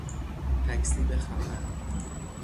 تکذیب خبر